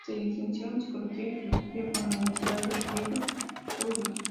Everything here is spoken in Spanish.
Se licenció en Psicología y Filosofía por la Universidad de Dayton, Ohio.